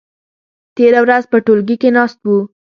تېره ورځ په ټولګي کې ناست وو.